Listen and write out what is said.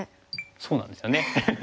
そうなんですよね。